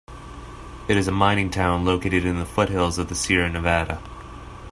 It is a mining town located in the foothills of the Sierra Nevada.